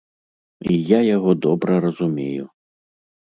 І я яго добра разумею.